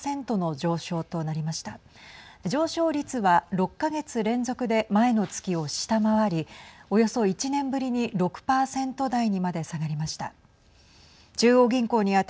上昇率は６か月連続で前の月を下回りおよそ１年ぶりに６％台にまで下がりました。